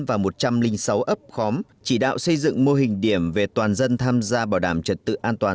và một trăm linh sáu ấp khóm chỉ đạo xây dựng mô hình điểm về toàn dân tham gia bảo đảm trật tự an toàn